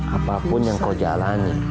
apapun yang kau jalani